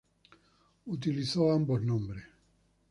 Utilizó ambos nombres.